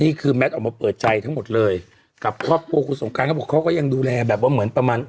นี่คือแมทออกมาเปิดใจทั้งหมดเลยกับครอบครัวคุณสงการเขาบอกเขาก็ยังดูแลแบบว่าเหมือนประมาณ